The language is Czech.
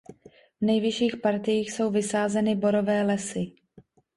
V nejvyšších partiích jsou vysázeny borové lesy.